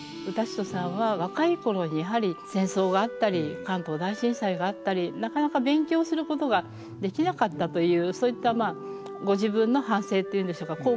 雅楽之都さんは若い頃にやはり戦争があったり関東大震災があったりなかなか勉強することができなかったというそういったご自分の反省っていうんでしょうか